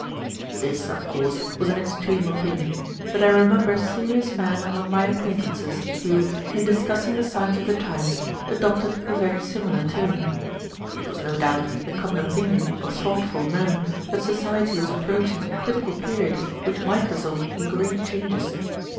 This, of course, was an extreme opinion, but I remember serious men among my acquaintances who, in discussing the signs of the times, adopted a very similar tone. It was no doubt the common opinion of thoughtful men that society was approaching a critical period which might result in great changes.